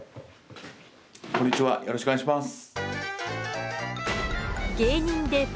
こんにちはよろしくお願いします。